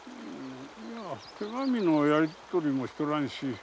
いや手紙のやり取りもしとらんし